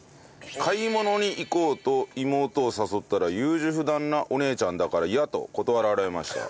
買い物に行こうと妹を誘ったら優柔不断なお姉ちゃんだから嫌と断られました。